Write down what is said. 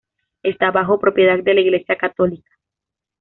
Está bajo propiedad de la Iglesia Católica.